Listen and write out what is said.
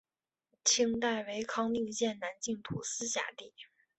清代为康定县南境土司辖地。